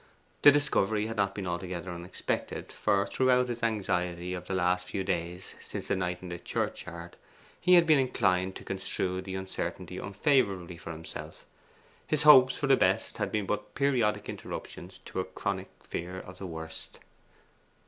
The discovery had not been altogether unexpected, for throughout his anxiety of the last few days since the night in the churchyard, he had been inclined to construe the uncertainty unfavourably for himself. His hopes for the best had been but periodic interruptions to a chronic fear of the worst.